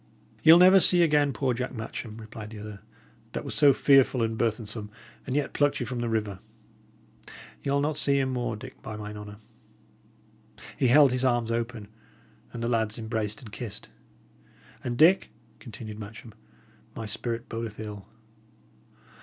"Ye'll never again see poor Jack Matcham," replied the other, "that was so fearful and burthensome, and yet plucked you from the river; ye'll not see him more, Dick, by mine honour!" He held his arms open, and the lads embraced and kissed. "And, Dick," continued Matcham, "my spirit bodeth ill.